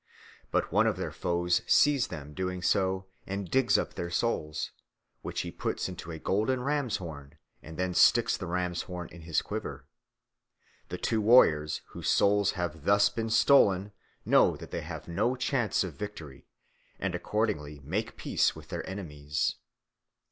But one of their foes sees them doing so and digs up their souls, which he puts into a golden ram's horn, and then sticks the ram's horn in his quiver. The two warriors whose souls have thus been stolen know that they have no chance of victory, and accordingly make peace with their enemies.